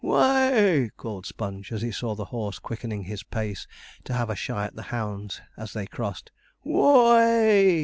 'Whoay!' cried Sponge, as he saw the horse quickening his pace to have a shy at the hounds as they crossed. 'Who o a y!'